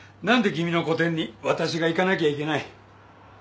何で君の個展に私が行かなきゃいけない